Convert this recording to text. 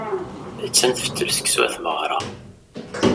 Attan tfettel seksu i tmeɣra.